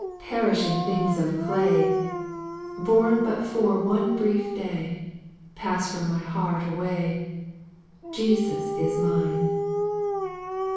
Perishing things of clay, Born but for one brief day, Pass from my heart away, Jesus is mine